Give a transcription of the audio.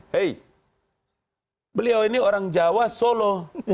hei beliau ini orang jawa solo